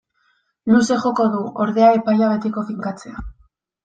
Luze joko du, ordea, epaia betiko finkatzea.